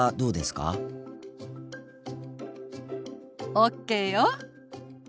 ＯＫよ。